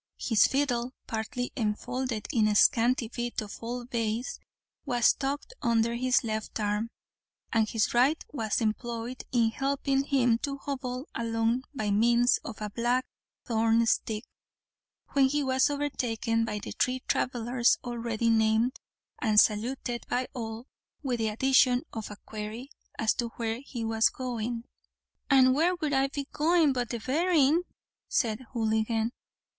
His fiddle, partly enfolded in a scanty bit of old baize, was tucked under his left arm, and his right was employed in helping him to hobble along by means of a black thorn stick, when he was overtaken by the three travellers already named, and saluted by all, with the addition of a query, as to where he was going. "An' where would I be goin' but to the berrin'?" said Houligan.